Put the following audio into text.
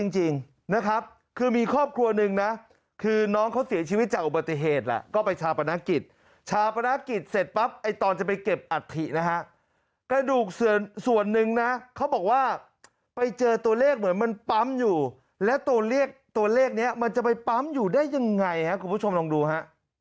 จริงนะครับคือมีครอบครัวหนึ่งนะคือน้องเขาเสียชีวิตจากอุบัติเหตุแหละก็ไปชาปนกิจชาปนกิจเสร็จปั๊บไอ้ตอนจะไปเก็บอัฐินะฮะกระดูกส่วนหนึ่งนะเขาบอกว่าไปเจอตัวเลขเหมือนมันปั๊มอยู่แล้วตัวเลขตัวเลขนี้มันจะไปปั๊มอยู่ได้ยังไงครับคุณผู้ชมลองดูฮะ